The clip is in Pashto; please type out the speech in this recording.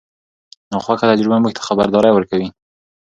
ناخوښه تجربه موږ ته خبرداری ورکوي.